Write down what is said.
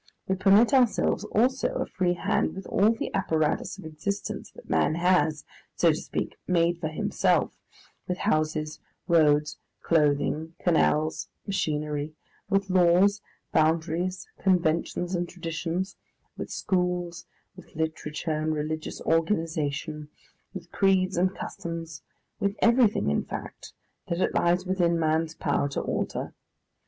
We permit ourselves also a free hand with all the apparatus of existence that man has, so to speak, made for himself, with houses, roads, clothing, canals, machinery, with laws, boundaries, conventions, and traditions, with schools, with literature and religious organisation, with creeds and customs, with everything, in fact, that it lies within man's power to alter.